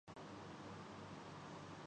رہ جاتی ہے۔